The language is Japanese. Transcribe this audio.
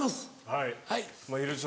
はい？